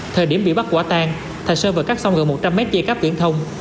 thời điểm bị bắt quả tan thành sơn vừa cắt xong gần một trăm linh mét dây cáp viễn thông